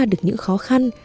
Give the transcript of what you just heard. được những khó khăn